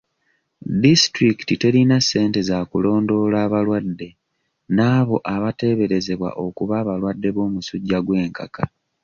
Disitulikiti telina ssente za kulondoola abalwadde n'abo abateeberezebwa okuba abalwadde b'omusujja gw'enkaka.